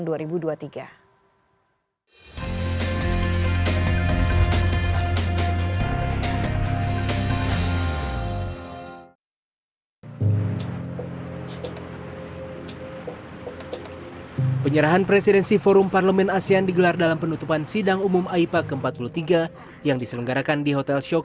dpr ri menjadi presidensi dalam forum parlemen indonesia di asean interparliamentary assembly itu untuk tahun dua ribu dua puluh tiga